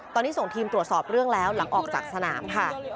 ตอนนี้ส่งทีมตรวจสอบเรื่องแล้วหลังออกจากสนามค่ะ